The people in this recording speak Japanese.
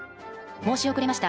申し遅れました。